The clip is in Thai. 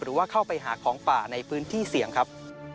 หรือว่าเข้าไปหาของป่าในพื้นที่เสี่ยงครับ